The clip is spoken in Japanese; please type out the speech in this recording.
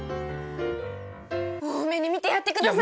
大目に見てやってください。